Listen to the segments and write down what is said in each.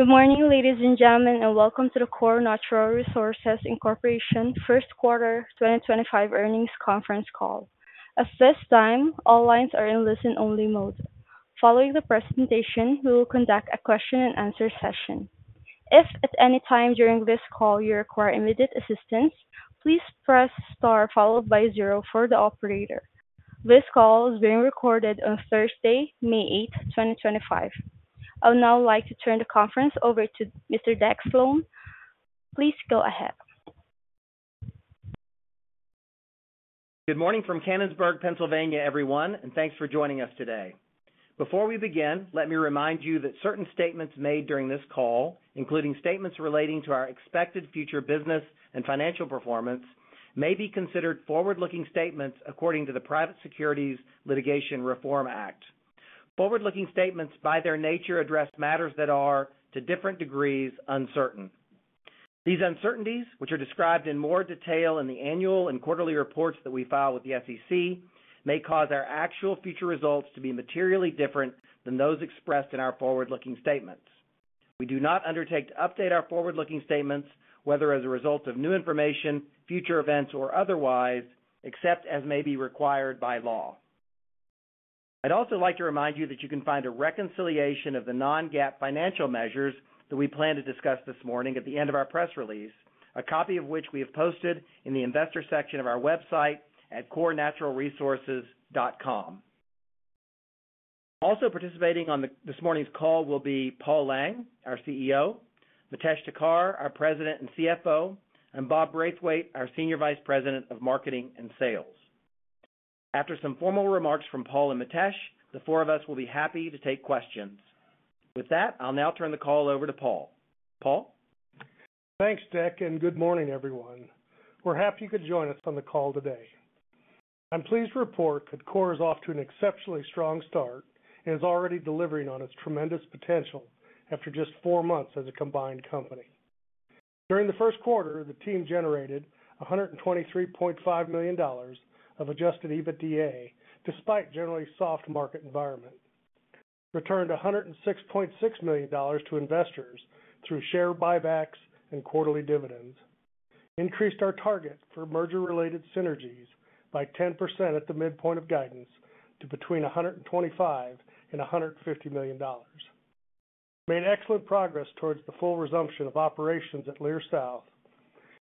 Good morning, ladies and gentlemen, and welcome to the Core Natural Resources first quarter 2025 earnings conference call. At this time, all lines are in listen-only mode. Following the presentation, we will conduct a question-and-answer session. If at any time during this call you require immediate assistance, please press star followed by zero for the operator. This call is being recorded on Thursday, May 8, 2025. I would now like to turn the conference over to Mr. Deck Slone. Please go ahead. Good morning from Canonsburg, Pennsylvania, everyone, and thanks for joining us today. Before we begin, let me remind you that certain statements made during this call, including statements relating to our expected future business and financial performance, may be considered forward-looking statements according to the Private Securities Litigation Reform Act. Forward-looking statements, by their nature, address matters that are, to different degrees, uncertain. These uncertainties, which are described in more detail in the annual and quarterly reports that we file with the SEC, may cause our actual future results to be materially different than those expressed in our forward-looking statements. We do not undertake to update our forward-looking statements, whether as a result of new information, future events, or otherwise, except as may be required by law. I'd also like to remind you that you can find a reconciliation of the non-GAAP financial measures that we plan to discuss this morning at the end of our press release, a copy of which we have posted in the investor section of our website at CoreNaturalResources.com. Also participating on this morning's call will be Paul Lang, our CEO, Mitesh Thakkar, our President and CFO, and Bob Braithwaite, our Senior Vice President of Marketing and Sales. After some formal remarks from Paul and Mitesh, the four of us will be happy to take questions. With that, I'll now turn the call over to Paul. Paul? Thanks, Deck, and good morning, everyone. We're happy you could join us on the call today. I'm pleased to report that Core is off to an exceptionally strong start and is already delivering on its tremendous potential after just four months as a combined company. During the first quarter, the team generated $123.5 million of adjusted EBITDA despite a generally soft market environment, returned $106.6 million to investors through share buybacks and quarterly dividends, increased our target for merger-related synergies by 10% at the midpoint of guidance to between $125 million and $150 million, made excellent progress towards the full resumption of operations at Leer South,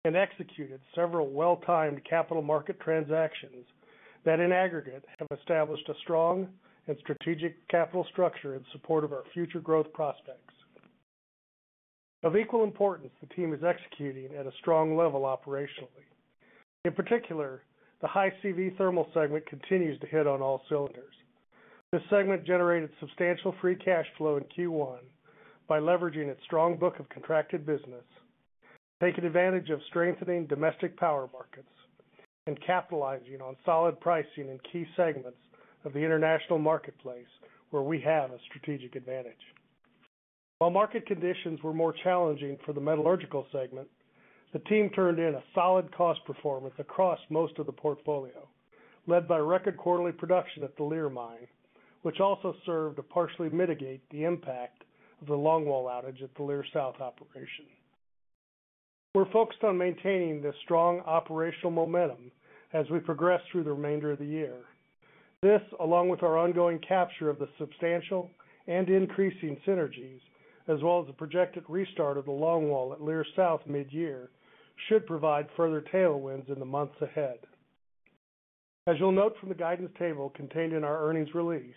and executed several well-timed capital market transactions that, in aggregate, have established a strong and strategic capital structure in support of our future growth prospects. Of equal importance, the team is executing at a strong level operationally. In particular, the high C.V. thermal segment continues to hit on all cylinders. This segment generated substantial free cash flow in Q1 by leveraging its strong book of contracted business, taking advantage of strengthening domestic power markets, and capitalizing on solid pricing in key segments of the international marketplace where we have a strategic advantage. While market conditions were more challenging for the metallurgical segment, the team turned in a solid cost performance across most of the portfolio, led by record quarterly production at the Leer Mine, which also served to partially mitigate the impact of the longwall outage at the Leer South operation. We're focused on maintaining this strong operational momentum as we progress through the remainder of the year. This, along with our ongoing capture of the substantial and increasing synergies, as well as the projected restart of the longwall at Leer South mid-year, should provide further tailwinds in the months ahead. As you'll note from the guidance table contained in our earnings release,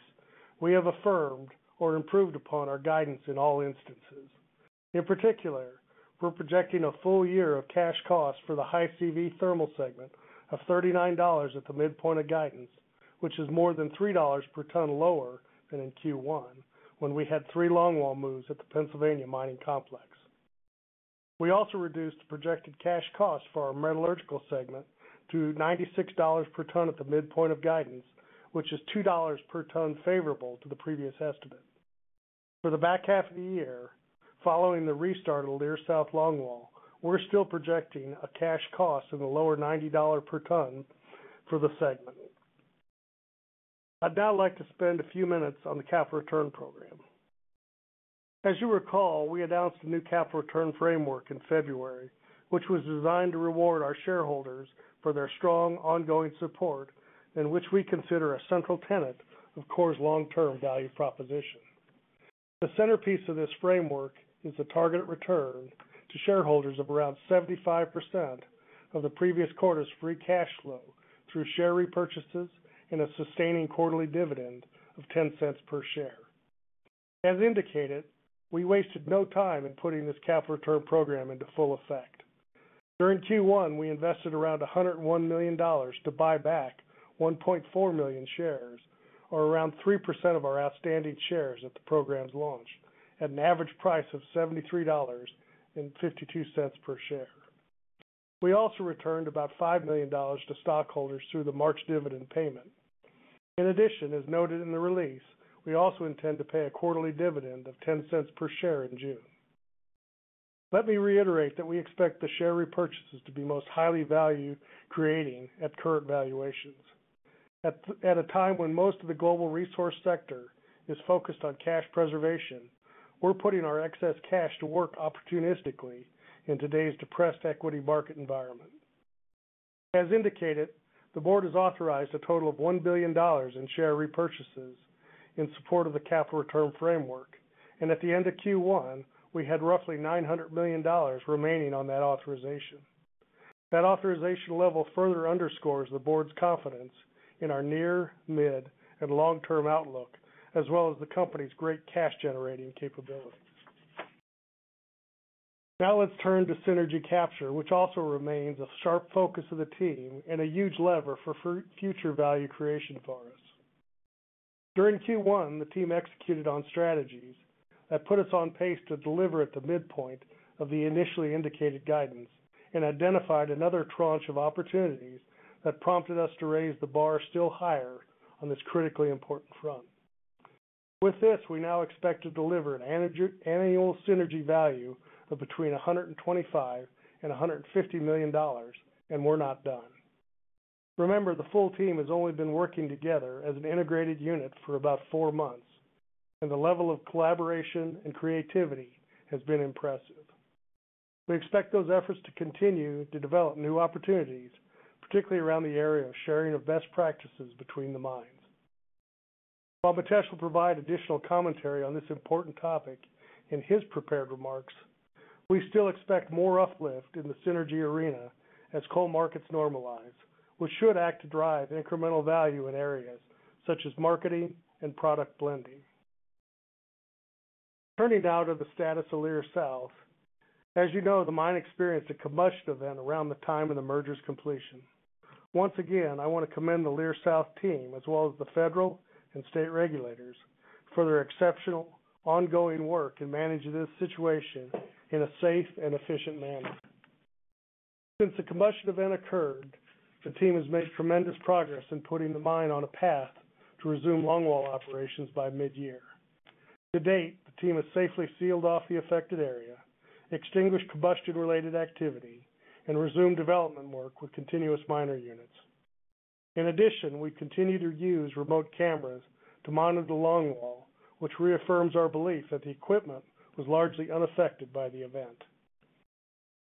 we have affirmed or improved upon our guidance in all instances. In particular, we're projecting a full year of cash cost for the high C.V. thermal segment of $39 at the midpoint of guidance, which is more than $3 per ton lower than in Q1 when we had three longwall moves at the Pennsylvania Mining Complex. We also reduced the projected cash cost for our metallurgical segment to $96 per ton at the midpoint of guidance, which is $2 per ton favorable to the previous estimate. For the back half of the year, following the restart of the Leer South longwall, we're still projecting a cash cost in the lower $90 per ton for the segment. I'd now like to spend a few minutes on the capital return program. As you recall, we announced a new capital return framework in February, which was designed to reward our shareholders for their strong ongoing support, and which we consider a central tenet of Core's long-term value proposition. The centerpiece of this framework is the target return to shareholders of around 75% of the previous quarter's free cash flow through share repurchases and a sustaining quarterly dividend of $0.10 per share. As indicated, we wasted no time in putting this capital return program into full effect. During Q1, we invested around $101 million to buy back 1.4 million shares, or around 3% of our outstanding shares at the program's launch, at an average price of $73.52 per share. We also returned about $5 million to stockholders through the March dividend payment. In addition, as noted in the release, we also intend to pay a quarterly dividend of $0.10 per share in June. Let me reiterate that we expect the share repurchases to be most highly value-creating at current valuations. At a time when most of the global resource sector is focused on cash preservation, we're putting our excess cash to work opportunistically in today's depressed equity market environment. As indicated, the board has authorized a total of $1 billion in share repurchases in support of the capital return framework, and at the end of Q1, we had roughly $900 million remaining on that authorization. That authorization level further underscores the board's confidence in our near, mid, and long-term outlook, as well as the company's great cash-generating capabilities. Now let's turn to synergy capture, which also remains a sharp focus of the team and a huge lever for future value creation for us. During Q1, the team executed on strategies that put us on pace to deliver at the midpoint of the initially indicated guidance and identified another tranche of opportunities that prompted us to raise the bar still higher on this critically important front. With this, we now expect to deliver an annual synergy value of between $125 million and $150 million, and we're not done. Remember, the full team has only been working together as an integrated unit for about four months, and the level of collaboration and creativity has been impressive. We expect those efforts to continue to develop new opportunities, particularly around the area of sharing of best practices between the mines. While Mitesh will provide additional commentary on this important topic in his prepared remarks, we still expect more uplift in the synergy arena as coal markets normalize, which should act to drive incremental value in areas such as marketing and product blending. Turning now to the status of Leer South, as you know, the mine experienced a combustion event around the time of the merger's completion. Once again, I want to commend the Leer South team, as well as the federal and state regulators, for their exceptional ongoing work in managing this situation in a safe and efficient manner. Since the combustion event occurred, the team has made tremendous progress in putting the mine on a path to resume longwall operations by mid-year. To date, the team has safely sealed off the affected area, extinguished combustion-related activity, and resumed development work with continuous miner units. In addition, we continue to use remote cameras to monitor the longwall, which reaffirms our belief that the equipment was largely unaffected by the event.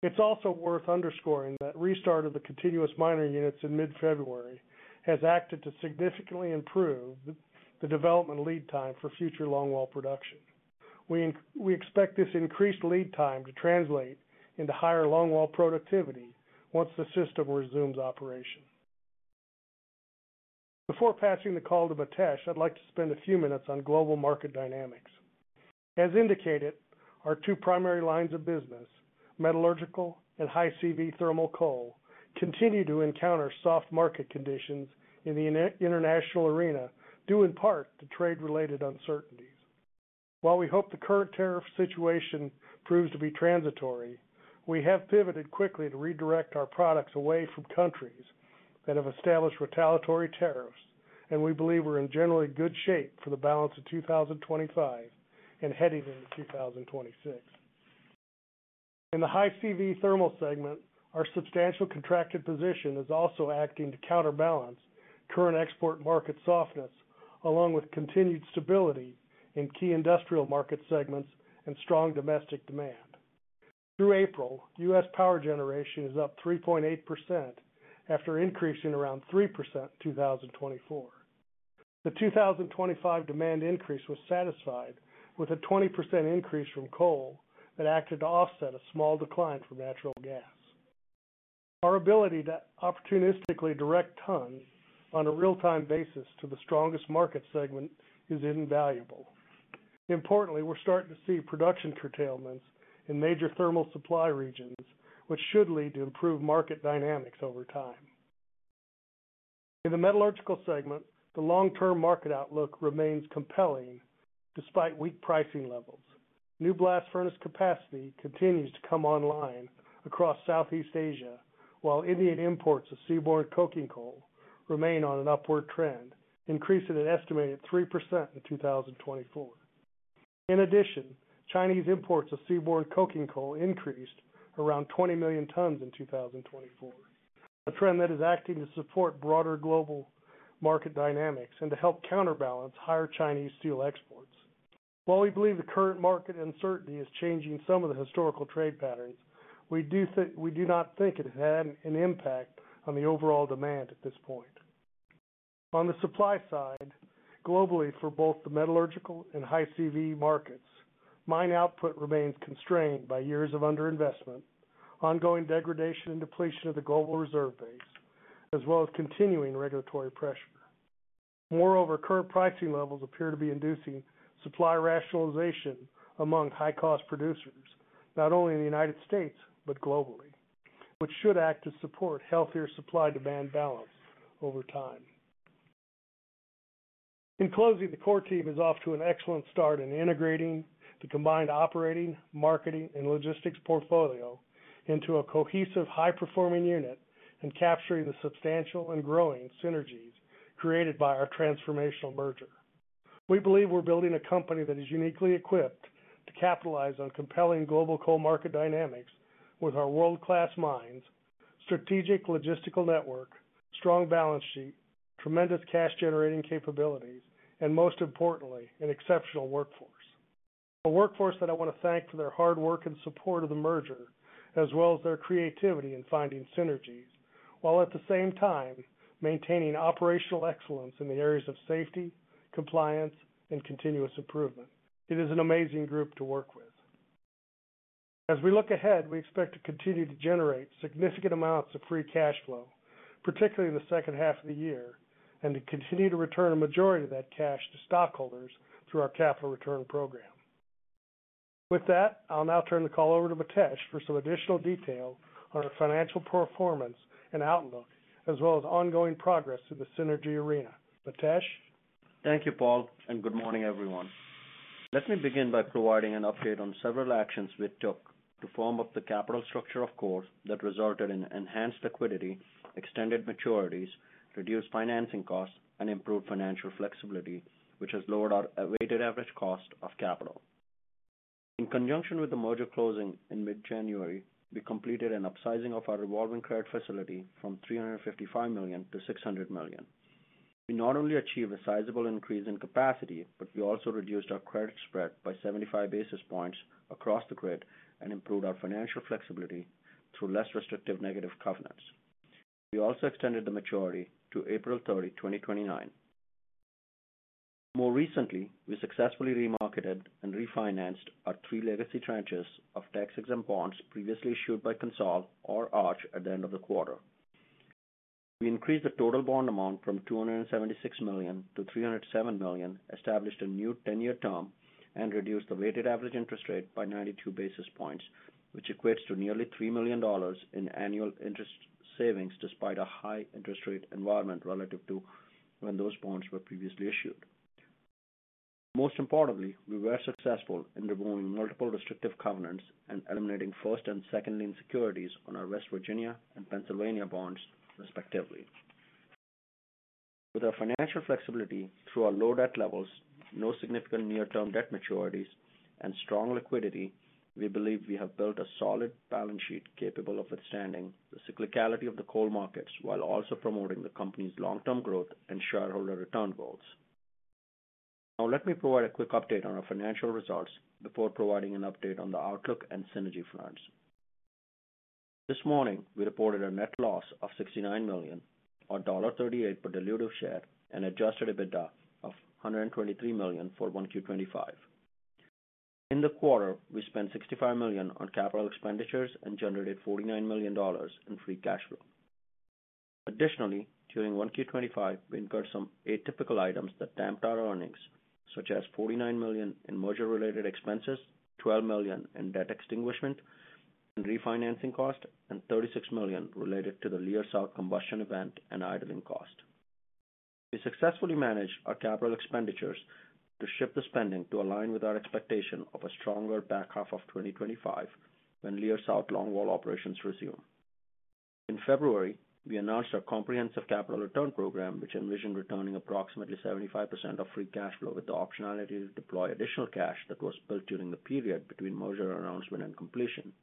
It's also worth underscoring that the restart of the continuous miner units in mid-February has acted to significantly improve the development lead time for future longwall production. We expect this increased lead time to translate into higher longwall productivity once the system resumes operation. Before passing the call to Mitesh, I'd like to spend a few minutes on global market dynamics. As indicated, our two primary lines of business, metallurgical and high C.V. thermal coal, continue to encounter soft market conditions in the international arena due in part to trade-related uncertainties. While we hope the current tariff situation proves to be transitory, we have pivoted quickly to redirect our products away from countries that have established retaliatory tariffs, and we believe we're in generally good shape for the balance of 2025 and heading into 2026. In the high C.V. thermal segment, our substantial contracted position is also acting to counterbalance current export market softness, along with continued stability in key industrial market segments and strong domestic demand. Through April, U.S. power generation is up 3.8% after increasing around 3% in 2024. The 2025 demand increase was satisfied with a 20% increase from coal that acted to offset a small decline from natural gas. Our ability to opportunistically direct tons on a real-time basis to the strongest market segment is invaluable. Importantly, we're starting to see production curtailments in major thermal supply regions, which should lead to improved market dynamics over time. In the metallurgical segment, the long-term market outlook remains compelling despite weak pricing levels. New blast furnace capacity continues to come online across Southeast Asia, while Indian imports of seaborne coking coal remain on an upward trend, increasing at an estimated 3% in 2024. In addition, Chinese imports of seaborne coking coal increased around 20 million tons in 2024, a trend that is acting to support broader global market dynamics and to help counterbalance higher Chinese steel exports. While we believe the current market uncertainty is changing some of the historical trade patterns, we do not think it has had an impact on the overall demand at this point. On the supply side, globally, for both the metallurgical and high C.V. markets, mine output remains constrained by years of underinvestment, ongoing degradation and depletion of the global reserve base, as well as continuing regulatory pressure. Moreover, current pricing levels appear to be inducing supply rationalization among high-cost producers, not only in the U.S. but globally, which should act to support a healthier supply-demand balance over time. In closing, the Core Team is off to an excellent start in integrating the combined operating, marketing, and logistics portfolio into a cohesive, high-performing unit and capturing the substantial and growing synergies created by our transformational merger. We believe we're building a company that is uniquely equipped to capitalize on compelling global coal market dynamics with our world-class mines, strategic logistical network, strong balance sheet, tremendous cash-generating capabilities, and most importantly, an exceptional workforce. A workforce that I want to thank for their hard work and support of the merger, as well as their creativity in finding synergies, while at the same time maintaining operational excellence in the areas of safety, compliance, and continuous improvement. It is an amazing group to work with. As we look ahead, we expect to continue to generate significant amounts of free cash flow, particularly in the second half of the year, and to continue to return a majority of that cash to stockholders through our capital return program. With that, I'll now turn the call over to Mitesh for some additional detail on our financial performance and outlook, as well as ongoing progress in the synergy arena. Mitesh? Thank you, Paul, and good morning, everyone. Let me begin by providing an update on several actions we took to form up the capital structure of Core that resulted in enhanced liquidity, extended maturities, reduced financing costs, and improved financial flexibility, which has lowered our weighted average cost of capital. In conjunction with the merger closing in mid-January, we completed an upsizing of our revolving credit facility from $355 million to $600 million. We not only achieved a sizable increase in capacity, but we also reduced our credit spread by 75 basis points across the grid and improved our financial flexibility through less restrictive negative covenants. We also extended the maturity to April 30, 2029. More recently, we successfully remarketed and refinanced our three legacy tranches of tax-exempt bonds previously issued by CONSOL or Arch at the end of the quarter. We increased the total bond amount from $276 million to $307 million, established a new 10-year term, and reduced the weighted average interest rate by 92 basis points, which equates to nearly $3 million in annual interest savings despite a high interest rate environment relative to when those bonds were previously issued. Most importantly, we were successful in removing multiple restrictive covenants and eliminating first and second-line securities on our West Virginia and Pennsylvania bonds, respectively. With our financial flexibility through our low debt levels, no significant near-term debt maturities, and strong liquidity, we believe we have built a solid balance sheet capable of withstanding the cyclicality of the coal markets while also promoting the company's long-term growth and shareholder return goals. Now let me provide a quick update on our financial results before providing an update on the outlook and synergy funds. This morning, we reported a net loss of $69 million or $1.38 per dilutive share and adjusted EBITDA of $123 million for 1Q 2025. In the quarter, we spent $65 million on capital expenditures and generated $49 million in free cash flow. Additionally, during 1Q25, we incurred some atypical items that damped our earnings, such as $49 million in merger-related expenses, $12 million in debt extinguishment and refinancing cost, and $36 million related to the Leer South combustion event and idling cost. We successfully managed our capital expenditures to shift the spending to align with our expectation of a stronger back half of 2025 when Leer South longwall operations resume. In February, we announced our comprehensive capital return program, which envisioned returning approximately 75% of free cash flow with the optionality to deploy additional cash that was built during the period between merger announcement and completion.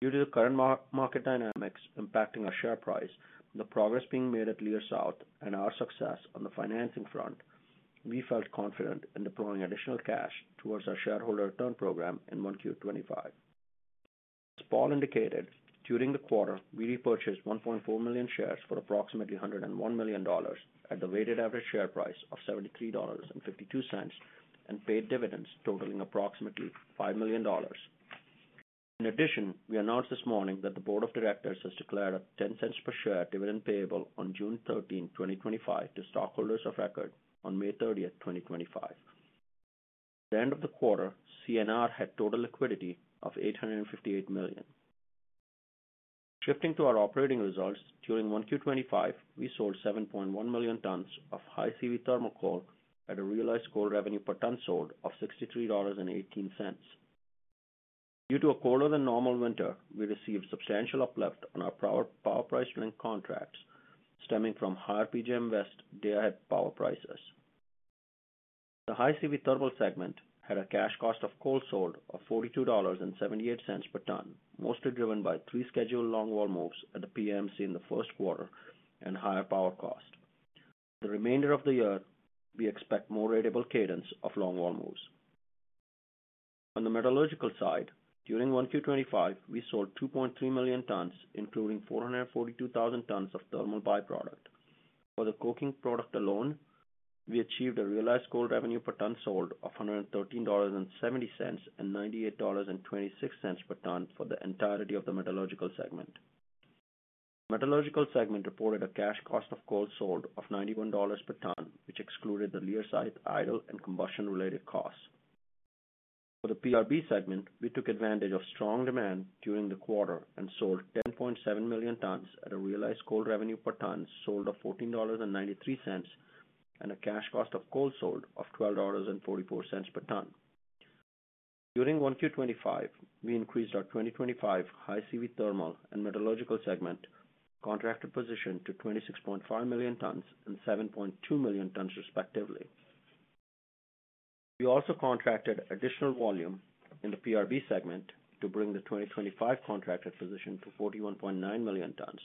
Due to the current market dynamics impacting our share price, the progress being made at Lee South, and our success on the financing front, we felt confident in deploying additional cash towards our shareholder return program in 1Q 2025. As Paul indicated, during the quarter, we repurchased 1.4 million shares for approximately $101 million at the weighted average share price of $73.52 and paid dividends totaling approximately $5 million. In addition, we announced this morning that the Board of Directors has declared a $0.10 per share dividend payable on June 13, 2025, to stockholders of record on May 30, 2025. At the end of the quarter, CNR had total liquidity of $858 million. Shifting to our operating results, during 1Q25, we sold 7.1 million tons of high C.V. thermal coal at a realized coal revenue per ton sold of $63.18. Due to a colder than normal winter, we received substantial uplift on our power price link contracts stemming from higher PJM West day-ahead power prices. The high C.V. thermal segment had a cash cost of coal sold of $42.78 per ton, mostly driven by three scheduled longwall moves at the PMC in the first quarter and higher power cost. For the remainder of the year, we expect more ratable cadence of longwall moves. On the metallurgical side, during 1Q25, we sold 2.3 million tons, including 442,000 tons of thermal byproduct. For the coking product alone, we achieved a realized coal revenue per ton sold of $113.70 and $98.26 per ton for the entirety of the metallurgical segment. The metallurgical segment reported a cash cost of coal sold of $91 per ton, which excluded the Leer South idle and combustion-related costs. For the PRB segment, we took advantage of strong demand during the quarter and sold 10.7 million tons at a realized coal revenue per ton sold of $14.93 and a cash cost of coal sold of $12.44 per ton. During 1Q 2025, we increased our 2025 high C.V. thermal and metallurgical segment contracted position to 26.5 million tons and 7.2 million tons, respectively. We also contracted additional volume in the PRB segment to bring the 2025 contracted position to 41.9 million tons.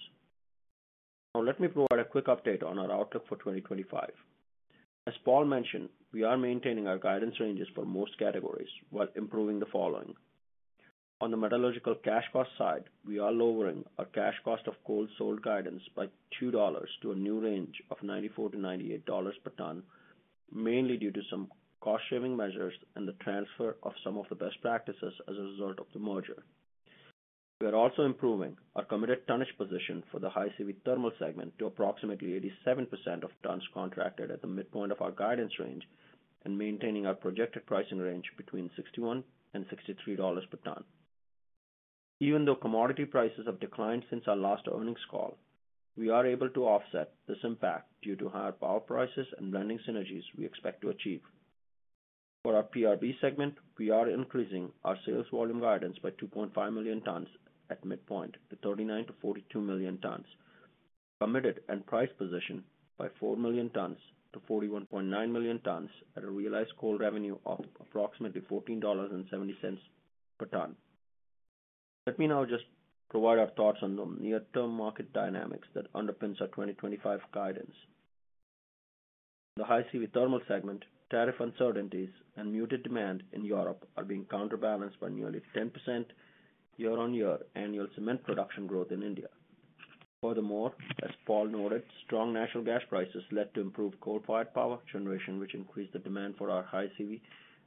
Now let me provide a quick update on our outlook for 2025. As Paul mentioned, we are maintaining our guidance ranges for most categories while improving the following. On the metallurgical cash cost side, we are lowering our cash cost of coal sold guidance by $2 to a new range of $94-$98 per ton, mainly due to some cost-saving measures and the transfer of some of the best practices as a result of the merger. We are also improving our committed tonnage position for the high C.V. thermal segment to approximately 87% of tons contracted at the midpoint of our guidance range and maintaining our projected pricing range between $61-$63 per ton. Even though commodity prices have declined since our last earnings call, we are able to offset this impact due to higher power prices and blending synergies we expect to achieve. For our PRB segment, we are increasing our sales volume guidance by 2.5 million tons at midpoint to 39-42 million tons, committed and priced position by 4 million tons to 41.9 million tons at a realized coal revenue of approximately $14.70 per ton. Let me now just provide our thoughts on the near-term market dynamics that underpins our 2025 guidance. The high C.V. thermal segment, tariff uncertainties, and muted demand in Europe are being counterbalanced by nearly 10% year-on-year annual cement production growth in India. Furthermore, as Paul noted, strong natural gas prices led to improved coal-fired power generation, which increased the demand for our high C.V.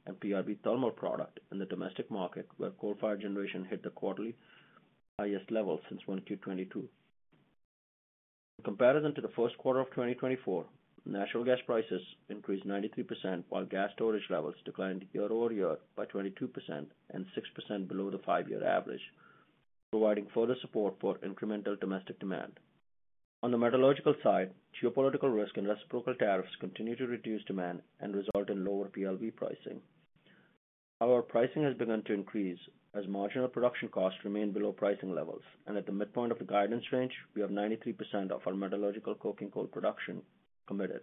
and PRB thermal product in the domestic market, where coal-fired generation hit the quarterly highest level since 1Q 2022. In comparison to the first quarter of 2024, natural gas prices increased 93%, while gas storage levels declined year-over-year by 22% and 6% below the five-year average, providing further support for incremental domestic demand. On the metallurgical side, geopolitical risk and reciprocal tariffs continue to reduce demand and result in lower PLV pricing. However, pricing has begun to increase as marginal production costs remain below pricing levels, and at the midpoint of the guidance range, we have 93% of our metallurgical coking coal production committed.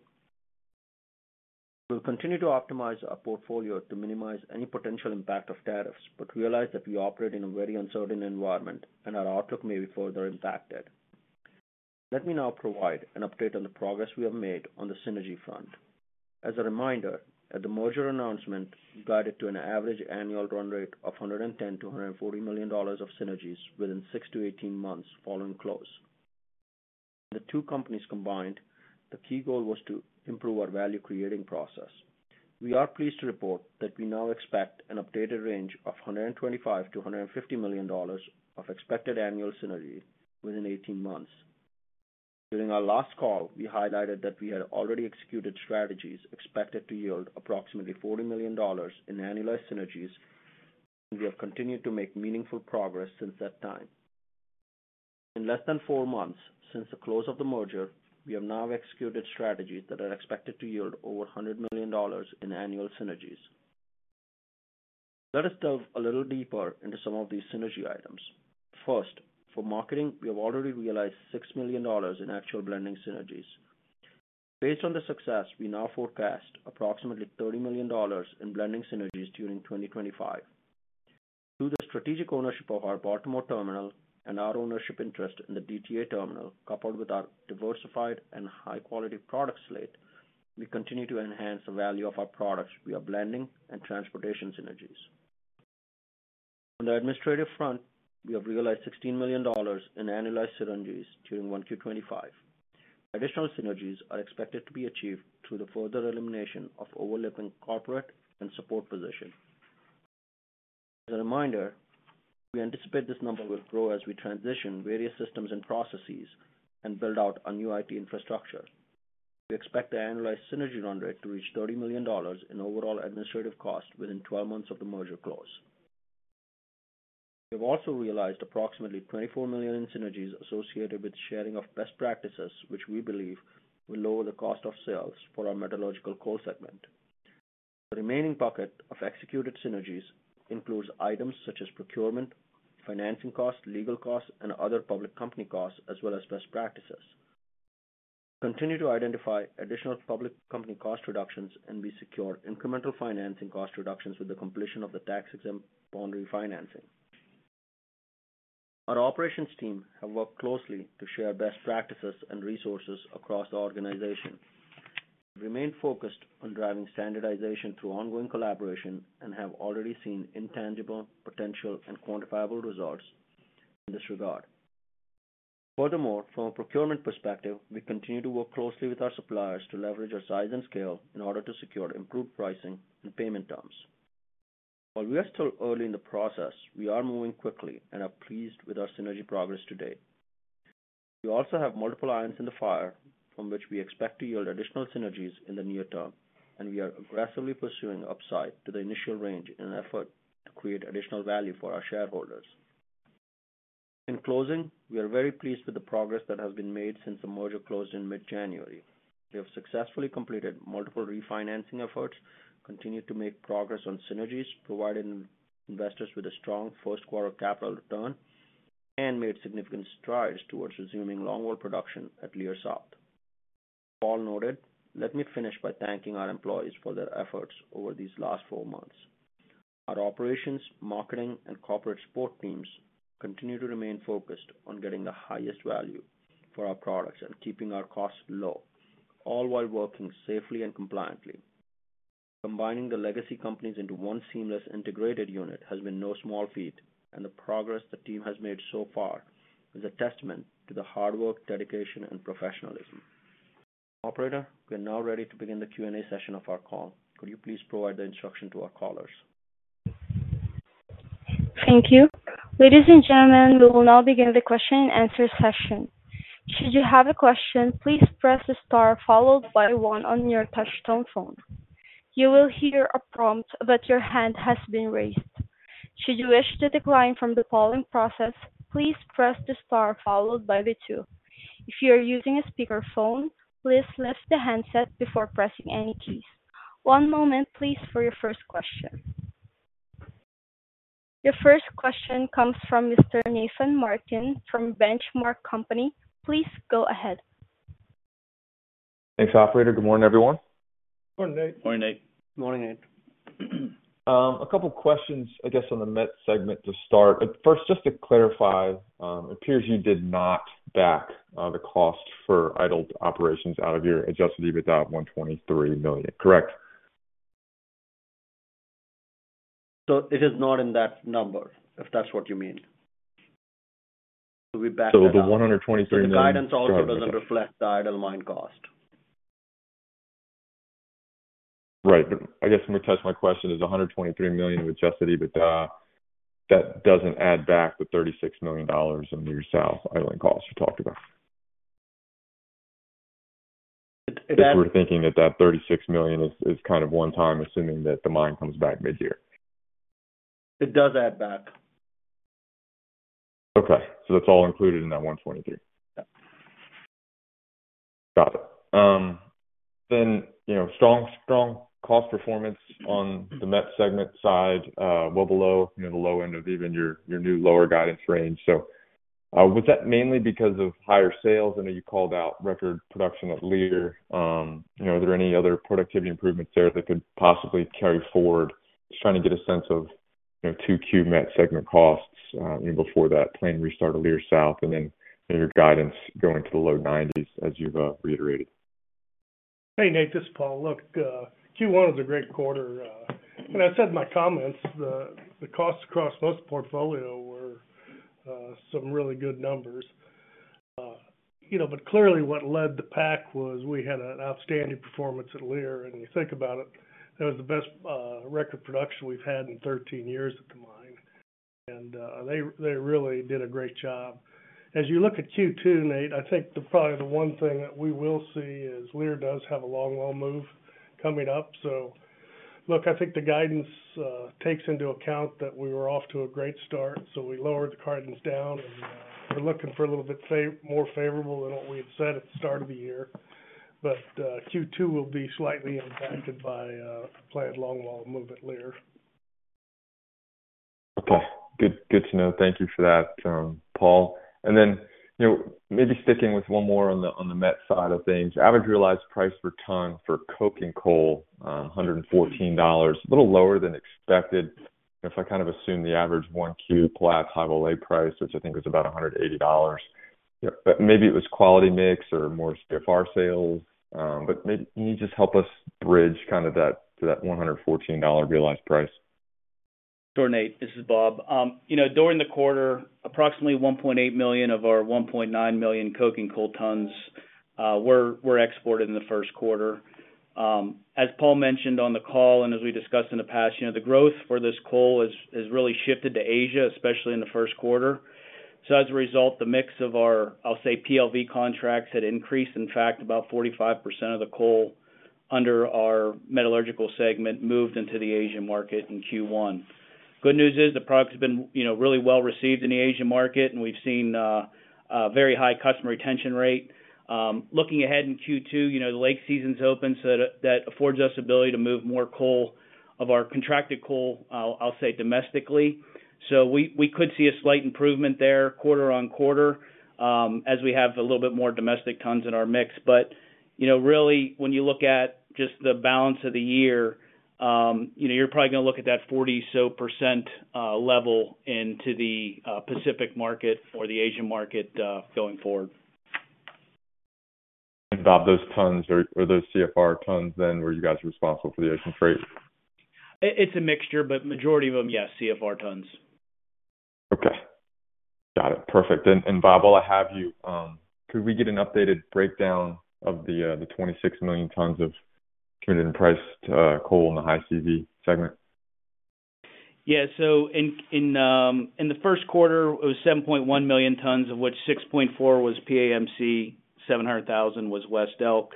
We will continue to optimize our portfolio to minimize any potential impact of tariffs, but realize that we operate in a very uncertain environment and our outlook may be further impacted. Let me now provide an update on the progress we have made on the synergy front. As a reminder, at the merger announcement, we guided to an average annual run rate of $110-$140 million of synergies within 6-18 months following close. The two companies combined, the key goal was to improve our value-creating process. We are pleased to report that we now expect an updated range of $125-$150 million of expected annual synergy within 18 months. During our last call, we highlighted that we had already executed strategies expected to yield approximately $40 million in annualized synergies, and we have continued to make meaningful progress since that time. In less than four months since the close of the merger, we have now executed strategies that are expected to yield over $100 million in annual synergies. Let us delve a little deeper into some of these synergy items. First, for marketing, we have already realized $6 million in actual blending synergies. Based on the success, we now forecast approximately $30 million in blending synergies during 2025. Through the strategic ownership of our Baltimore terminal and our ownership interest in the DTA terminal, coupled with our diversified and high-quality product slate, we continue to enhance the value of our products via blending and transportation synergies. On the administrative front, we have realized $16 million in annualized synergies during 1Q 2025. Additional synergies are expected to be achieved through the further elimination of overlapping corporate and support positions. As a reminder, we anticipate this number will grow as we transition various systems and processes and build out our new IT infrastructure. We expect the annualized synergy run rate to reach $30 million in overall administrative cost within 12 months of the merger close. We have also realized approximately $24 million in synergies associated with sharing of best practices, which we believe will lower the cost of sales for our metallurgical coal segment. The remaining bucket of executed synergies includes items such as procurement, financing costs, legal costs, and other public company costs, as well as best practices. We continue to identify additional public company cost reductions and we secure incremental financing cost reductions with the completion of the tax-exempt bond refinancing. Our operations team have worked closely to share best practices and resources across the organization. We have remained focused on driving standardization through ongoing collaboration and have already seen intangible, potential, and quantifiable results in this regard. Furthermore, from a procurement perspective, we continue to work closely with our suppliers to leverage our size and scale in order to secure improved pricing and payment terms. While we are still early in the process, we are moving quickly and are pleased with our synergy progress today. We also have multiple irons in the fire, from which we expect to yield additional synergies in the near term, and we are aggressively pursuing upside to the initial range in an effort to create additional value for our shareholders. In closing, we are very pleased with the progress that has been made since the merger closed in mid-January. We have successfully completed multiple refinancing efforts, continued to make progress on synergies, provided investors with a strong first-quarter capital return, and made significant strides towards resuming longwall production at Leer South. As Paul noted, let me finish by thanking our employees for their efforts over these last four months. Our operations, marketing, and corporate support teams continue to remain focused on getting the highest value for our products and keeping our costs low, all while working safely and compliantly. Combining the legacy companies into one seamless integrated unit has been no small feat, and the progress the team has made so far is a testament to the hard work, dedication, and professionalism. Operator, we are now ready to begin the Q&A session of our call. Could you please provide the instruction to our callers? Thank you. Ladies and gentlemen, we will now begin the question-and-answer session. Should you have a question, please press the star followed by one on your touchstone phone. You will hear a prompt that your hand has been raised. Should you wish to decline from the following process, please press the star followed by the two. If you are using a speakerphone, please lift the handset before pressing any keys. One moment, please, for your first question. Your first question comes from Mr. Nathan Martin from Benchmark Company. Please go ahead. Thanks, Operator. Good morning, everyone. Good morning, Nate. Morning, Nate. Good morning, Nate. A couple of questions, I guess, on the Mets segment to start. First, just to clarify, it appears you did not back the cost for idle operations out of your adjusted EBITDA of $123 million, correct? It is not in that number, if that's what you mean. We backed the guidance. The $123 million guidance also doesn't reflect the idle mine cost. Right. I guess let me test my question. Is $123 million of adjusted EBITDA that doesn't add back the $36 million in Leer South idling costs you talked about? If we're thinking that that $36 million is kind of one-time, assuming that the mine comes back mid-year? It does add back. Okay. So that's all included in that $123? Yeah. Got it. Then strong cost performance on the Mets segment side, well below the low end of even your new lower guidance range. Was that mainly because of higher sales? I know you called out record production at Leer. Are there any other productivity improvements there that could possibly carry forward? Just trying to get a sense of 2Q Mets segment costs before that planned restart of Leer South and then your guidance going to the low 90s, as you've reiterated. Hey, Nate. This is Paul. Look, Q1 was a great quarter. I said in my comments, the costs across most portfolio were some really good numbers. CLeerly, what led the pack was we had an outstanding performance at Leer. You think about it, that was the best record production we have had in 13 years at the mine. They really did a great job. As you look at Q2, Nate, I think probably the one thing that we will see is Leer does have a longwall move coming up. I think the guidance takes into account that we were off to a great start. We lowered the guidance down, and we are looking for a little bit more favorable than what we had said at the start of the year. Q2 will be slightly impacted by a planned longwall move at Leer. Okay. Good to know. Thank you for that, Paul. Maybe sticking with one more on the Mets side of things, average realized price per ton for coking coal, $114, a little lower than expected. If I kind of assume the average 1Q platform high value price, which I think was about $180, maybe it was quality mix or more CFR sales. Can you just help us bridge kind of that to that $114 realized price? Sure, Nate. This is Bob. During the quarter, approximately 1.8 million of our 1.9 million coking coal tons were exported in the first quarter. As Paul mentioned on the call and as we discussed in the past, the growth for this coal has really shifted to Asia, especially in the first quarter. As a result, the mix of our, I'll say, PLV contracts had increased. In fact, about 45% of the coal under our metallurgical segment moved into the Asian market in Q1. Good news is the product has been really well received in the Asian market, and we've seen a very high customer retention rate. Looking ahead in Q2, the lake season's open, so that affords us the ability to move more coal of our contracted coal, I'll say, domestically. We could see a slight improvement there quarter on quarter as we have a little bit more domestic tons in our mix. Really, when you look at just the balance of the year, you're probably going to look at that 40-some % level into the Pacific market or the Asian market going forward. And Bob, those tons or those CFR tons then, were you guys responsible for the ocean freight? It's a mixture, but majority of them, yes, CFR tons. Okay. Got it. Perfect. And Bob, while I have you, could we get an updated breakdown of the 26 million tons of committed and priced coal in the high C.V. segment? Yeah. So in the first quarter, it was 7.1 million tons, of which 6.4 was PAMC, 700,000 was West Elk.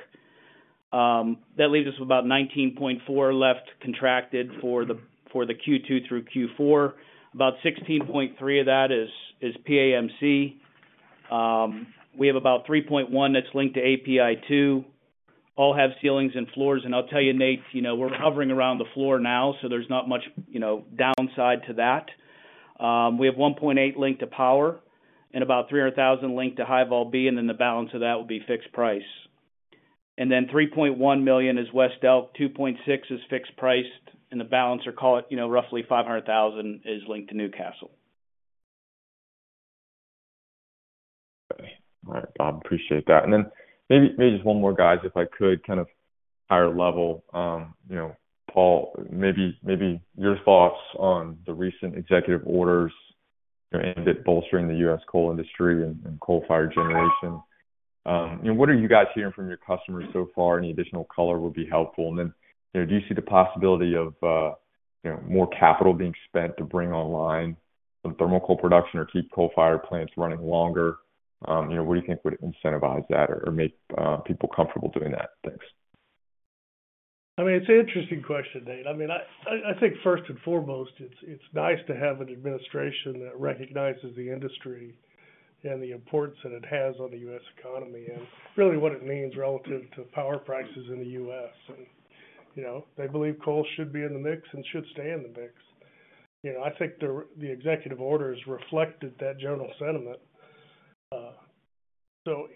That leaves us with about 19.4 left contracted for the Q2 through Q4. About 16.3 of that is PAMC. We have about 3.1 that's linked to API2. All have ceilings and floors. I'll tell you, Nate, we're hovering around the floor now, so there's not much downside to that. We have 1.8 linked to power and about 300,000 linked to High Vault B, and then the balance of that would be fixed price. Then 3.1 million is West Elk, 2.6 is fixed priced, and the balance, or call it roughly 500,000, is linked to Newcastle. Okay. All right, Bob. Appreciate that. Maybe just one more, guys, if I could, kind of higher level. Paul, maybe your thoughts on the recent executive orders aimed at bolstering the U.S. coal industry and coal-fired generation. What are you guys hearing from your customers so far? Any additional color would be helpful. Do you see the possibility of more capital being spent to bring online some thermal coal production or keep coal-fired plants running longer? What do you think would incentivize that or make people comfortable doing that? Thanks. I mean, it's an interesting question, Nate. I mean, I think first and foremost, it's nice to have an administration that recognizes the industry and the importance that it has on the U.S. economy and really what it means relative to power prices in the U.S. They believe coal should be in the mix and should stay in the mix. I think the executive orders reflected that general sentiment.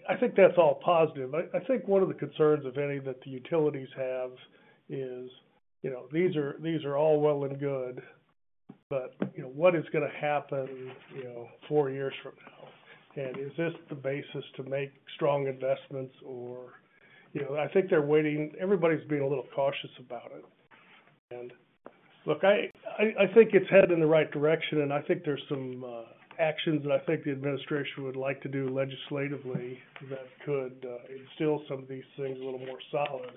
I think that's all positive. I think one of the concerns, if any, that the utilities have is these are all well and good, but what is going to happen four years from now? Is this the basis to make strong investments? I think they're waiting. Everybody's being a little cautious about it. I think it's headed in the right direction, and I think there are some actions that I think the administration would like to do legislatively that could instill some of these things a little more solid.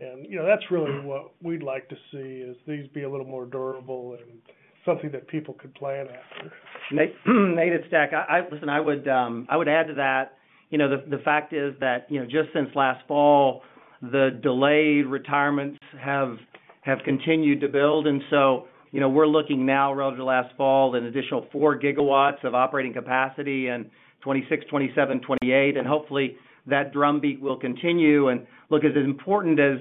That's really what we'd like to see, is these be a little more durable and something that people could plan after. Nate at STACK. Listen, I would add to that. The fact is that just since last fall, the delayed retirements have continued to build. We are looking now, relative to last fall, at an additional 4 GW of operating capacity in 2026, 2027, 2028. Hopefully, that drumbeat will continue. As important as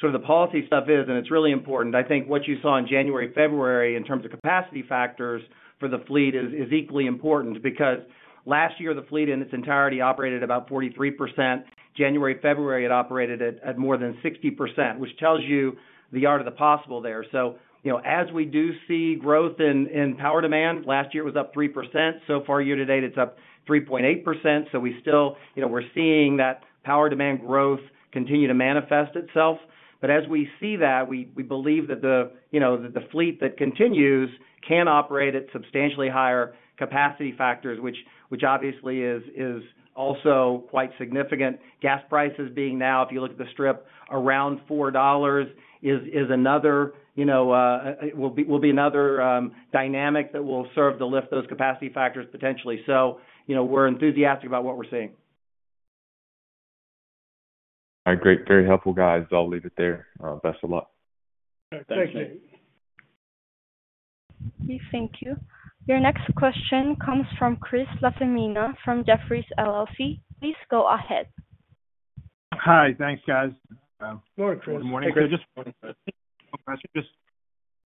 sort of the policy stuff is, and it is really important, I think what you saw in January, February, in terms of capacity factors for the fleet, is equally important because last year, the fleet in its entirety operated at about 43%. January, February, it operated at more than 60%, which tells you the art of the possible there. As we do see growth in power demand, last year it was up 3%. So far, year to date, it is up 3.8%. We are seeing that power demand growth continue to manifest itself. As we see that, we believe that the fleet that continues can operate at substantially higher capacity factors, which obviously is also quite significant. Gas prices being now, if you look at the strip, around $4 is another will be another dynamic that will serve to lift those capacity factors potentially. We are enthusiastic about what we are seeing. All right. Great. Very helpful, guys. I will leave it there. Best of luck. Thanks, Nate. Thank you. Thank you. Your next question comes from Chris LaFemina from Jefferies. Please go ahead. Hi. Thanks, guys. Good morning, Chris. Good morning.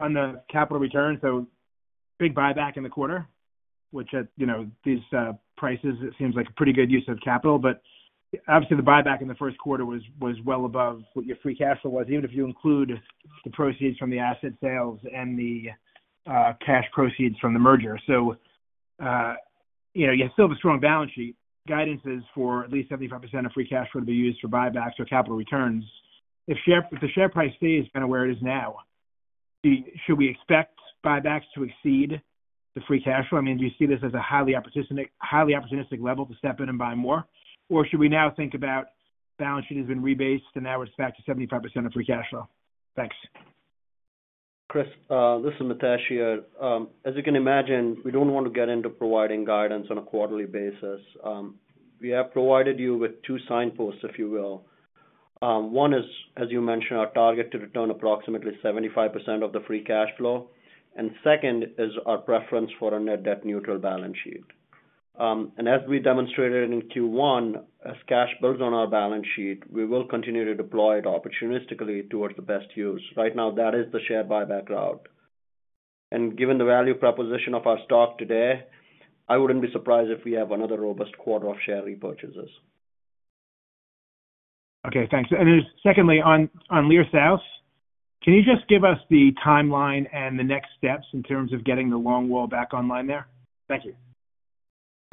On the capital return, so big buyback in the quarter, which at these prices, it seems like a pretty good use of capital. Obviously, the buyback in the first quarter was well above what your free cash flow was, even if you include the proceeds from the asset sales and the cash proceeds from the merger. You still have a strong balance sheet. Guidance is for at least 75% of free cash flow to be used for buybacks or capital returns. If the share price stays kind of where it is now, should we expect buybacks to exceed the free cash flow? I mean, do you see this as a highly opportunistic level to step in and buy more? Or should we now think about balance sheet has been rebased and now it's back to 75% of free cash flow? Thanks. Chris, this is Mitesh here. As you can imagine, we don't want to get into providing guidance on a quarterly basis. We have provided you with two signposts, if you will. One is, as you mentioned, our target to return approximately 75% of the free cash flow. The second is our preference for a net debt neutral balance sheet. As we demonstrated in Q1, as cash builds on our balance sheet, we will continue to deploy it opportunistically towards the best use. Right now, that is the share buyback route. Given the value proposition of our stock today, I would not be surprised if we have another robust quarter of share repurchases. Okay. Thanks. Secondly, on Leer South, can you just give us the timeline and the next steps in terms of getting the longwall back online there? Thank you.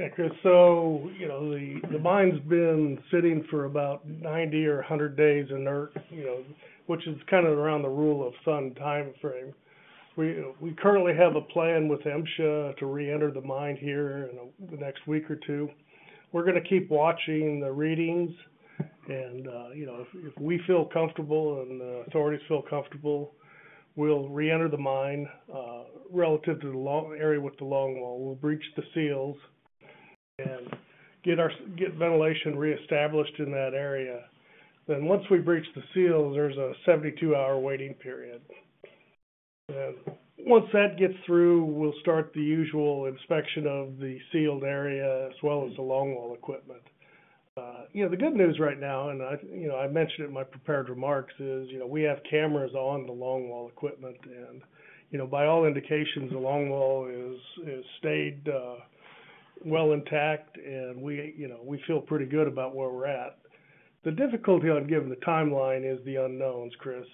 Okay, Chris. The mine has been sitting for about 90 or 100 days inert, which is kind of around the rule of thumb timeframe. We currently have a plan with MSHA to re-enter the mine here in the next week or two. We're going to keep watching the readings. If we feel comfortable and the authorities feel comfortable, we'll re-enter the mine relative to the area with the longwall. We'll breach the seals and get ventilation reestablished in that area. Once we breach the seals, there's a 72-hour waiting period. Once that gets through, we'll start the usual inspection of the sealed area as well as the longwall equipment. The good news right now, and I mentioned it in my prepared remarks, is we have cameras on the longwall equipment. By all indications, the longwall has stayed well intact, and we feel pretty good about where we're at. The difficulty on giving the timeline is the unknowns, Chris.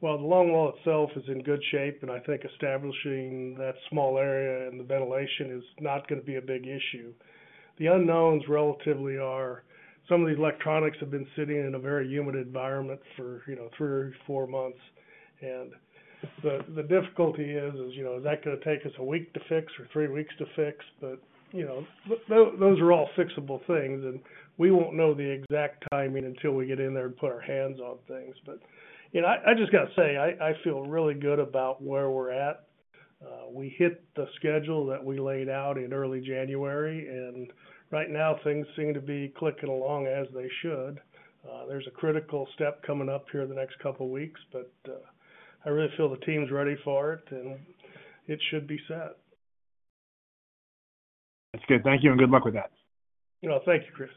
While the longwall itself is in good shape, and I think establishing that small area and the ventilation is not going to be a big issue, the unknowns relatively are some of these electronics have been sitting in a very humid environment for three or four months. The difficulty is, is that going to take us a week to fix or three weeks to fix? Those are all fixable things, and we will not know the exact timing until we get in there and put our hands on things. I just got to say, I feel really good about where we are at. We hit the schedule that we laid out in early January, and right now, things seem to be clicking along as they should. There's a critical step coming up here in the next couple of weeks, but I really feel the team's ready for it, and it should be set. That's good. Thank you, and good luck with that. Thank you, Chris.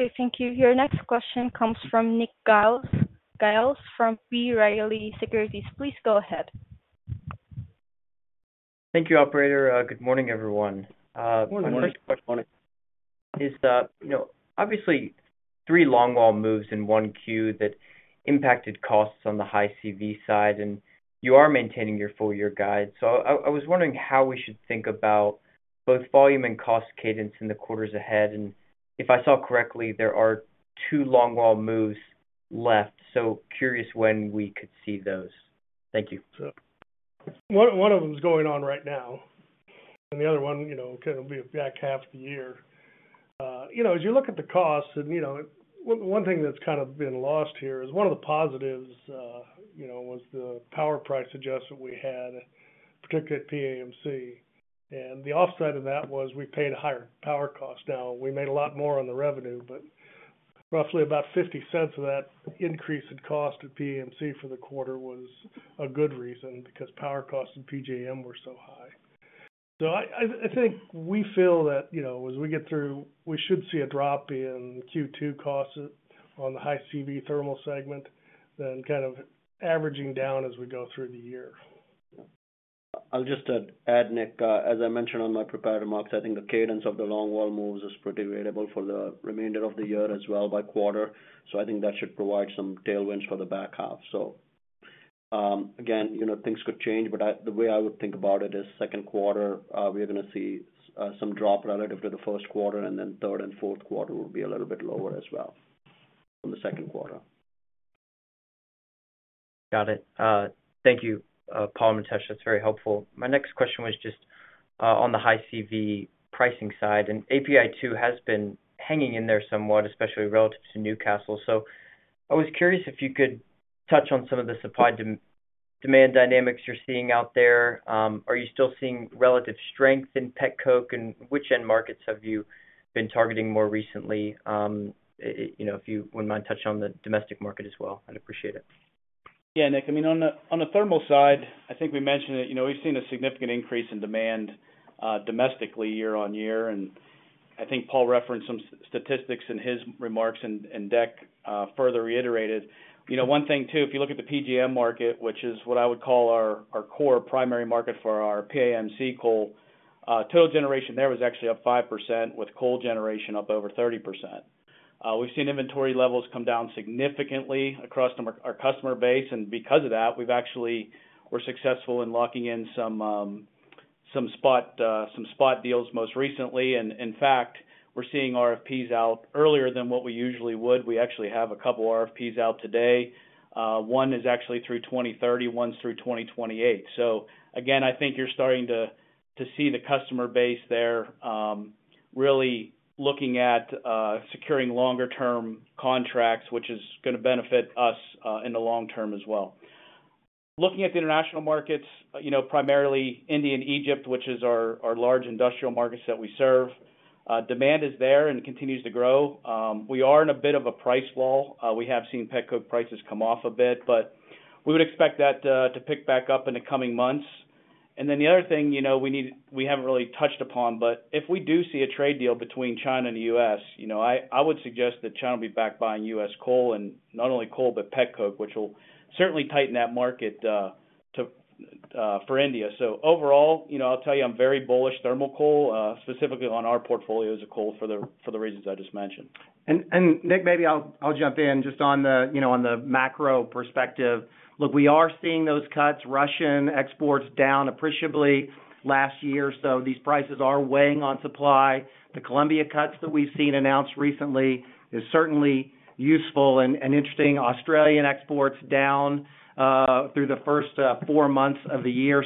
Okay. Thank you. Your next question comes from Nick Giles from B. Riley Securities. Please go ahead. Thank you, Operator. Good morning, everyone. Good morning. My first question is, obviously, three longwall moves in 1Q that impacted costs on the high C.V. side, and you are maintaining your full-year guide. So I was wondering how we should think about both volume and cost cadence in the quarters ahead. And if I saw correctly, there are two longwall moves left. So curious when we could see those. Thank you. One of them is going on right now, and the other one kind of will be back half the year. As you look at the cost, and one thing that's kind of been lost here is one of the positives was the power price adjustment we had, particularly at PAMC. The offside of that was we paid a higher power cost. Now, we made a lot more on revenue, but roughly about $0.50 of that increase in cost at PAMC for the quarter was a good reason because power costs and PJM were so high. I think we feel that as we get through, we should see a drop in Q2 costs on the high C.V. thermal segment, then kind of averaging down as we go through the year. I'll just add, Nick, as I mentioned on my prepared remarks, I think the cadence of the longwall moves is pretty variable for the remainder of the year as well by quarter. I think that should provide some tailwinds for the back half. Again, things could change, but the way I would think about it is second quarter, we're going to see some drop relative to the first quarter, and then third and fourth quarter will be a little bit lower as well in the second quarter. Got it. Thank you, Paul, Mitesh. That's very helpful. My next question was just on the high C.V. pricing side. API2 has been hanging in there somewhat, especially relative to Newcastle. I was curious if you could touch on some of the supply-demand dynamics you're seeing out there. Are you still seeing relative strength in Petcoke, and which end markets have you been targeting more recently? If you wouldn't mind touching on the domestic market as well, I'd appreciate it. Yeah, Nick. I mean, on the thermal side, I think we mentioned that we've seen a significant increase in demand domestically year-on-year. I think Paul referenced some statistics in his remarks, and Deck further reiterated. One thing too, if you look at the PJM market, which is what I would call our core primary market for our PAMC coal, total generation there was actually up 5%, with coal generation up over 30%. We've seen inventory levels come down significantly across our customer base. Because of that, we're successful in locking in some spot deals most recently. In fact, we're seeing RFPs out earlier than what we usually would. We actually have a couple of RFPs out today. One is actually through 2030, one's through 2028. I think you're starting to see the customer base there really looking at securing longer-term contracts, which is going to benefit us in the long term as well. Looking at the international markets, primarily India and Egypt, which are our large industrial markets that we serve, demand is there and continues to grow. We are in a bit of a price wall. We have seen Petcoke prices come off a bit, but we would expect that to pick back up in the coming months. The other thing we haven't really touched upon, but if we do see a trade deal between China and the U.S., I would suggest that China will be back buying U.S. coal, and not only coal, but Petcoke, which will certainly tighten that market for India. Overall, I'll tell you, I'm very bullish thermal coal, specifically on our portfolio as a coal for the reasons I just mentioned. Nick, maybe I'll jump in just on the macro perspective. Look, we are seeing those cuts. Russian exports down appreciably last year. These prices are weighing on supply. The Columbia cuts that we've seen announced recently are certainly useful and interesting. Australian exports down through the first four months of the year.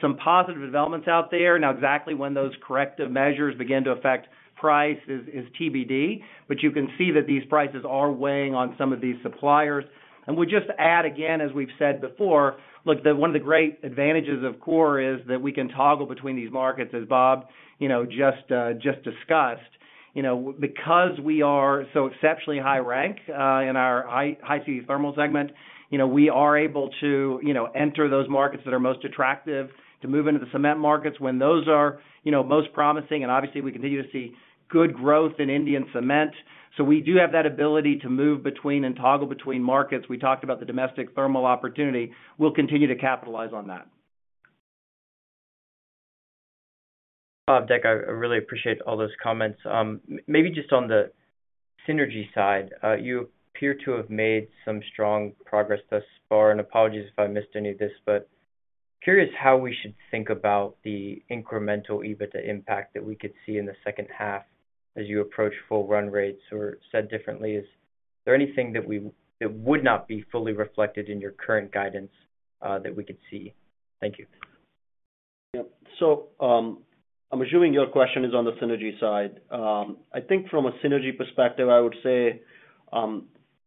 Some positive developments out there. Now, exactly when those corrective measures begin to affect price is TBD, but you can see that these prices are weighing on some of these suppliers. I'll just add, again, as we've said before, one of the great advantages of Core is that we can toggle between these markets, as Bob just discussed. Because we are so exceptionally high-ranked in our high C.V. thermal segment, we are able to enter those markets that are most attractive to move into the cement markets when those are most promising. Obviously, we continue to see good growth in Indian cement. We do have that ability to move between and toggle between markets. We talked about the domestic thermal opportunity. We'll continue to capitalize on that. Bob, Deck, I really appreciate all those comments. Maybe just on the synergy side, you appear to have made some strong progress thus far. Apologies if I missed any of this, but curious how we should think about the incremental EBITDA impact that we could see in the second half as you approach full run rates. Or said differently, is there anything that would not be fully reflected in your current guidance that we could see? Thank you. Yep. I'm assuming your question is on the synergy side. I think from a synergy perspective, I would say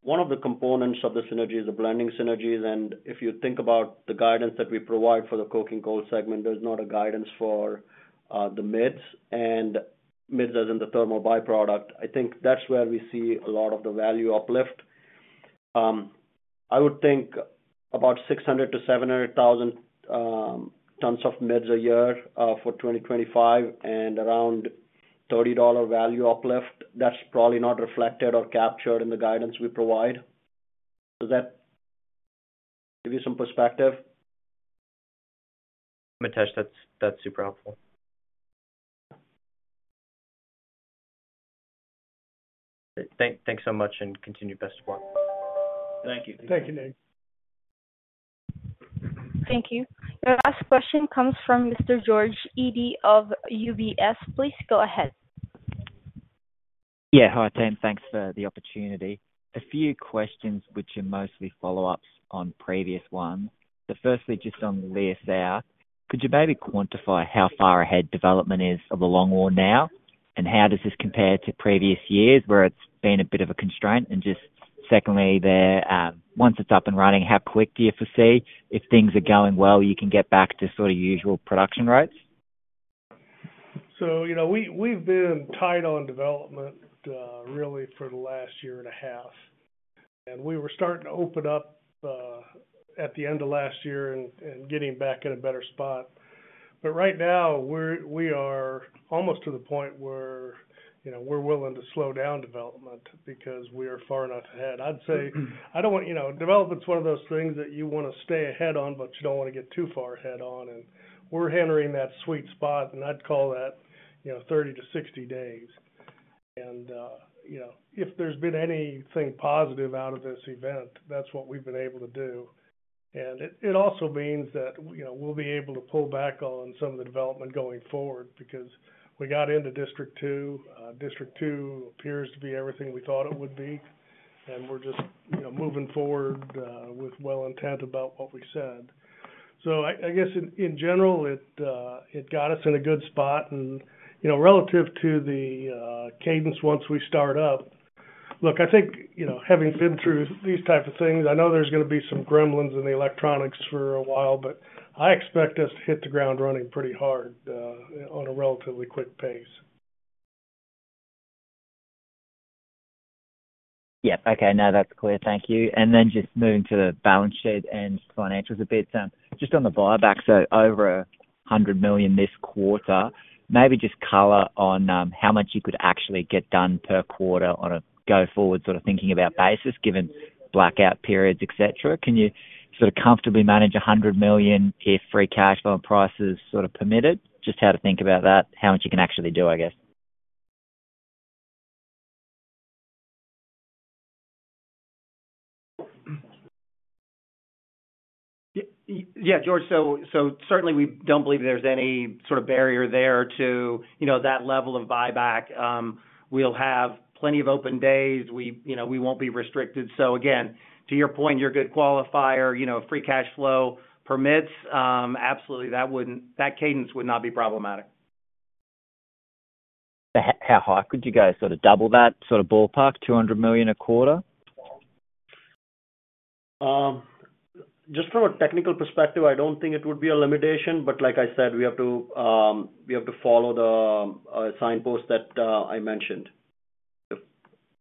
one of the components of the synergy is the blending synergies. If you think about the guidance that we provide for the coking coal segment, there's not a guidance for the MIDS, and MIDS as in the thermal byproduct. I think that's where we see a lot of the value uplift. I would think about 600,000-700,000 tons of MIDS a year for 2025 and around $30 value uplift. That's probably not reflected or captured in the guidance we provide. Does that give you some perspective? Mitesh, that's super helpful. Thanks so much and continue best of luck. Thank you. Thank you, Nick. Thank you. Your last question comes from Mr. George, ED of UBS. Please go ahead. Yeah. Hi. Thanks for the opportunity. A few questions, which are mostly follow-ups on previous ones. Firstly, just on Leer South, could you maybe quantify how far ahead development is of the longwall now, and how does this compare to previous years where it has been a bit of a constraint? Just secondly, once it is up and running, how quick do you foresee if things are going well, you can get back to sort of usual production rates? We have been tight on development really for the last year and a half. We were starting to open up at the end of last year and getting back in a better spot. Right now, we are almost to the point where we are willing to slow down development because we are far enough ahead. I'd say I don't want development's one of those things that you want to stay ahead on, but you don't want to get too far ahead on. We're entering that sweet spot, and I'd call that 30-60 days. If there's been anything positive out of this event, that's what we've been able to do. It also means that we'll be able to pull back on some of the development going forward because we got into District 2. District 2 appears to be everything we thought it would be, and we're just moving forward with well-intent about what we said. I guess in general, it got us in a good spot. Relative to the cadence once we start up, look, I think having been through these types of things, I know there is going to be some gremlins in the electronics for a while, but I expect us to hit the ground running pretty hard on a relatively quick pace. Yep. Okay. No, that is clear. Thank you. Just moving to the balance sheet and financials a bit. Just on the buyback, so over $100 million this quarter, maybe just color on how much you could actually get done per quarter on a go-forward sort of thinking about basis given blackout periods, etc. Can you sort of comfortably manage $100 million if free cash flow prices sort of permitted? Just how to think about that, how much you can actually do, I guess. Yeah, George. Certainly, we don't believe there's any sort of barrier there to that level of buyback. We'll have plenty of open days. We won't be restricted. Again, to your point, you're a good qualifier. Free cash flow permits. Absolutely, that cadence would not be problematic. How high could you go? Sort of double that sort of ballpark, $200 million a quarter? Just from a technical perspective, I don't think it would be a limitation, but like I said, we have to follow the signposts that I mentioned.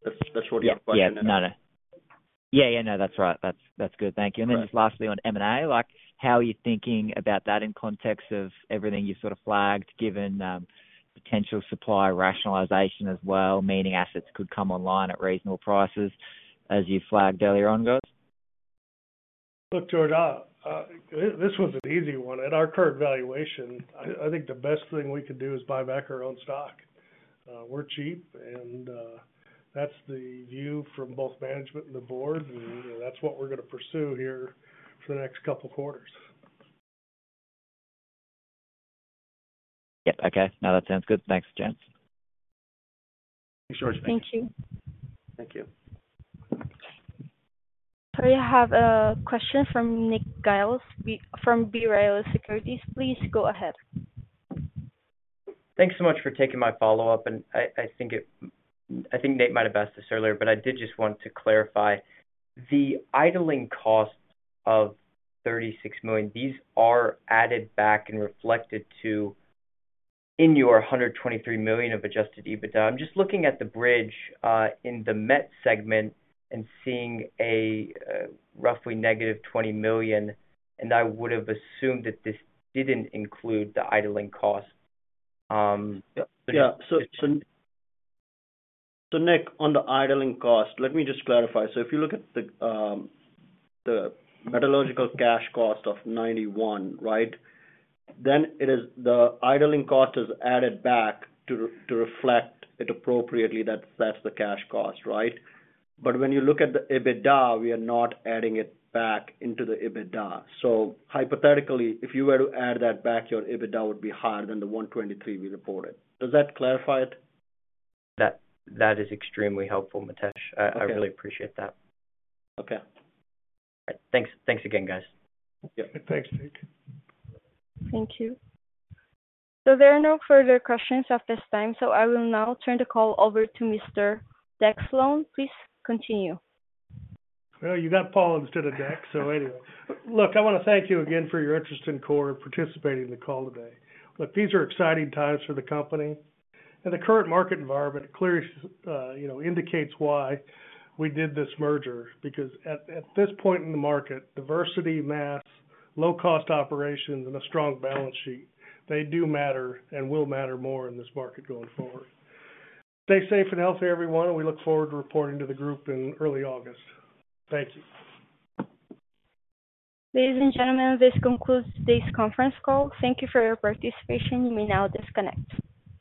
That's what your question is. Yeah. No, no. Yeah, yeah, no. That's right. That's good. Thank you. Lastly, on M&A, how are you thinking about that in context of everything you've sort of flagged given potential supply rationalization as well, meaning assets could come online at reasonable prices as you flagged earlier on, guys? Look, George, this was an easy one. At our current valuation, I think the best thing we could do is buy back our own stock. We're cheap, and that's the view from both management and the board, and that's what we're going to pursue here for the next couple of quarters. Yep. Okay. No, that sounds good. Thanks. Thank you, George. Thank you. Thank you. We have a question from Nick Giles from B. Riley Securities. Please go ahead. Thanks so much for taking my follow-up. I think Nate might have asked this earlier, but I did just want to clarify the idling cost of $36 million. These are added back and reflected in your $123 million of adjusted EBITDA. I'm just looking at the bridge in the MET segment and seeing a roughly negative $20 million, and I would have assumed that this didn't include the idling cost. Yeah. So Nick, on the idling cost, let me just clarify. If you look at the metallurgical cash cost of $91, right, then the idling cost is added back to reflect it appropriately. That's the cash cost, right? But when you look at the EBITDA, we are not adding it back into the EBITDA. Hypothetically, if you were to add that back, your EBITDA would be higher than the $123 we reported. Does that clarify it? That is extremely helpful, Mitesh. I really appreciate that. Okay. All right. Thanks again, guys. Yep. Thanks, Nick. Thank you. There are no further questions at this time, so I will now turn the call over to Mr. Deck Slone. Please continue. You got Paul instead of Deck, so anyway. Look, I want to thank you again for your interest in Core and participating in the call today. Look, these are exciting times for the company, and the current market environment cLeerly indicates why we did this merger because at this point in the market, diversity, mass, low-cost operations, and a strong balance sheet, they do matter and will matter more in this market going forward. Stay safe and healthy, everyone, and we look forward to reporting to the group in early August. Thank you. Ladies and gentlemen, this concludes today's conference call. Thank you for your participation. You may now disconnect.